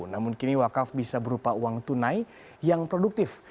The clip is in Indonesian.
namun kini wakaf bisa berupa uang tunai yang produktif